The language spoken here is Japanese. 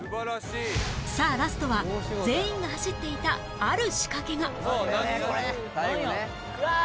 さあラストは全員が走っていたある仕掛けがうわ！